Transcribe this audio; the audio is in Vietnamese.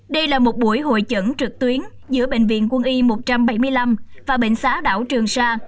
đây là một buổi hội trận trực tuyến giữa bệnh viện quân y một trăm bảy mươi năm và bệnh xã đảo trường sa